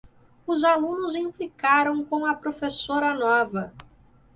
Os alunos implicaram com a professora nova.